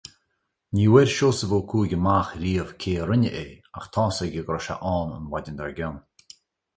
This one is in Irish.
Ní bhfuair Seosamh Ó Cuaig amach riamh cé a rinne é ach tá a fhios aige go raibh sé ann an mhaidin dár gcionn.